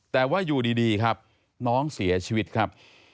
แต่ว่าอยู่ดีครับน้องเสียชีวิตครับ